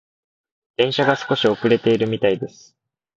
電車が少し遅れているみたいです。